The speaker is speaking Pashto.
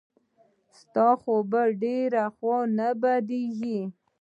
ستا خو به ډېره خوا نه بدېږي.